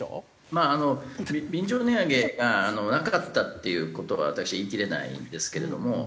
まあ便乗値上げがなかったっていう事は私言い切れないんですけれども。